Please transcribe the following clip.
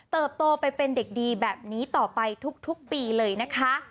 โตไปเป็นเด็กดีแบบนี้ต่อไปทุกปีเลยนะคะ